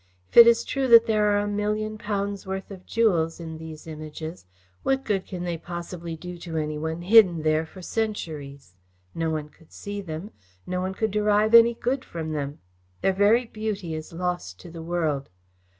If it is true that there are a million pounds' worth of jewels in these images, what good can they possibly do to any one hidden there for centuries? No one could see them. No one could derive any good from them. Their very beauty is lost to the world.